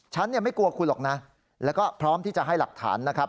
ฉันเนี่ยไม่กลัวคุณหรอกนะแล้วก็พร้อมที่จะให้หลักฐานนะครับ